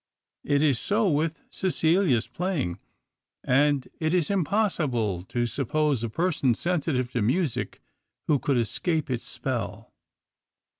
It is so with Cecilia's playing, and it is impossible to suppose a person sensitive to music who could escape its spell.